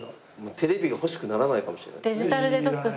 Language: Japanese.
テレビが欲しくならないかもしれないです。